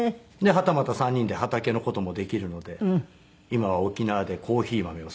はたまた３人で畑の事もできるので今は沖縄でコーヒー豆を育ててたりとか。